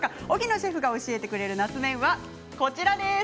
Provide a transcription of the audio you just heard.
荻野シェフが教えてくれる夏麺はこちらです。